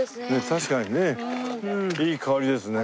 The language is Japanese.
確かにねいい香りですね。